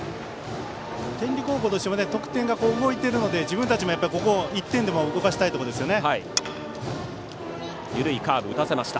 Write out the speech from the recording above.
天理高校としても得点が動いているので自分たちも１点でも動かしたいところですね。